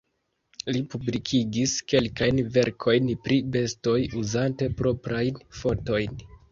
Li publikigis kelkajn verkojn pri bestoj uzante proprajn fotojn.